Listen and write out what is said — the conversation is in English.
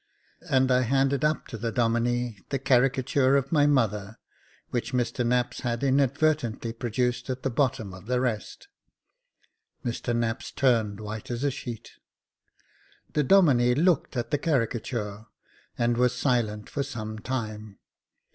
" And I handed up to the Doinine the caricature of my mother, which Mr Knapps had in advertently produced at the bottom of the rest. Mr Knapps turned white as a sheet. The Domine looked at the caricature, and was silent for some time.